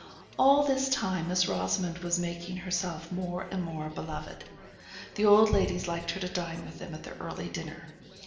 All this time Miss Rosamond was making herself more and more beloved. The old ladies liked her to dine with them at their early dinner.